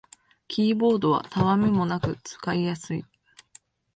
キーボードはたわみもなく使いやすい